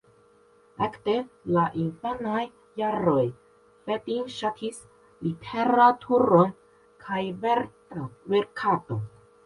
Ekde la infanaj jaroj Fedin ŝatis literaturon kaj verkadon.